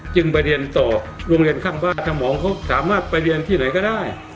จึงไปเรียนต่อโรงเรียนข้างบ้านสมองเขาสามารถไปเรียนที่ไหนก็ได้